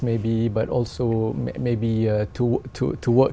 và tôi luôn muốn